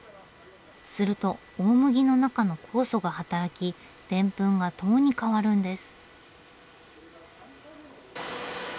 すると大麦の中の酵素が働きデンプンが糖に変わるんです。